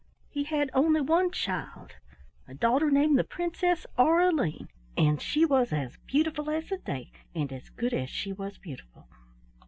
He had only one child, a daughter named the Princess Aureline, and she was as beautiful as the day and as good as she was beautiful.